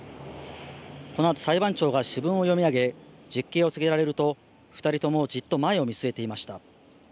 このあと裁判長が主文を読み上げ実刑を告げられると、２人ともじっと前を見据えていました。